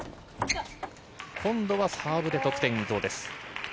今度はサーブで得点、伊藤です。